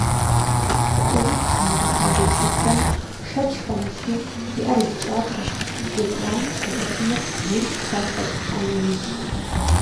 КӀэух зымыгъуэта гупсысэм, шэч хэмылъу, иӀэр зы кӀапэщ, етӀуанэр щигъуэтыр гур псэм лъэщӀыхьа нэужьщ.